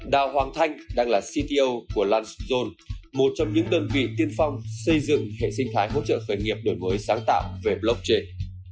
đào hoàng thanh đang là cto của lanhone một trong những đơn vị tiên phong xây dựng hệ sinh thái hỗ trợ khởi nghiệp đổi mới sáng tạo về blockchain